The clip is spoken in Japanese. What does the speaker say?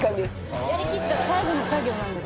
やりきった最後の作業なんです。